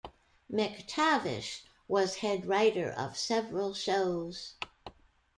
McTavish was head writer of several shows.